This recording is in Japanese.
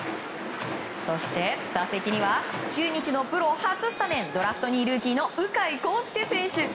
そして、打席には中日のプロ初スタメンドラフト２位ルーキーの鵜飼航丞選手。